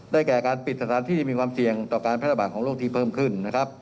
แก่การปิดสถานที่ที่มีความเสี่ยงต่อการแพร่ระบาดของโรคที่เพิ่มขึ้นนะครับ